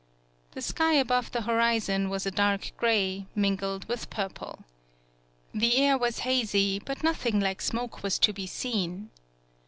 The sky above the horizon was a dark gray, mingled with purple. The air was hazy, but nothing like smoke was to be seen.